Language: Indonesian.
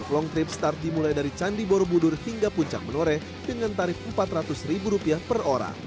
long trip start dimulai dari candi borobudur hingga puncak menoreh dengan tarif empat ratus ribu rupiah per orang